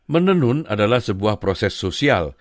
menenun adalah sebuah proses sosial